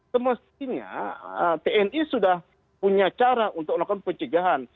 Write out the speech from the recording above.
semestinya tni sudah punya cara untuk melakukan pencegahan